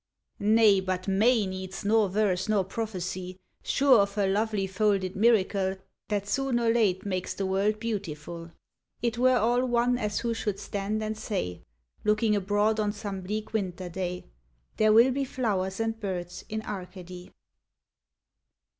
Nay, but May needs nor verse nor prophecy, Sure of her lovely folded miracle That soon or late makes the world beautiful : It were all one as who should stand and say, Looking abroad on some bleak winter day, "There will be flowers and birds in Arcady.